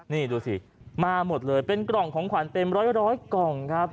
นี่ดูสิมาหมดเลยเป็นกล่องของขวัญเป็นร้อยกล่องครับ